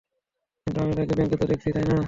কিন্তু আমি তাকে ব্যাংকে তো দেখছি, তাই না?